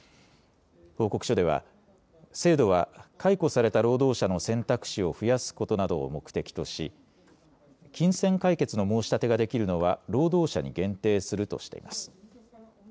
報告書では制度は解雇された労働者の選択肢を増やすことなどを目的とし金銭解決の申し立てができるのは労働者に限定するとしています。